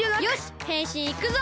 へんしんいくぞ！